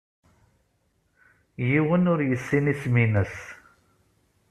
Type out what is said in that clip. Yiwen ur yessin isem-nnes.